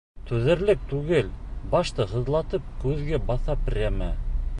— Түҙерлек түгел, башты һыҙлатып күҙгә баҫа прәме.